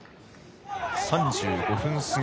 ３５分過ぎ。